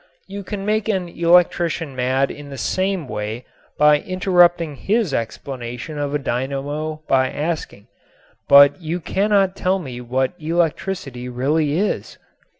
You can make an electrician mad in the same way by interrupting his explanation of a dynamo by asking: "But you cannot tell me what electricity really is."